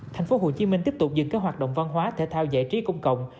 thành phố hồ chí minh tiếp tục dừng các hoạt động văn hóa thể thao giải trí công cộng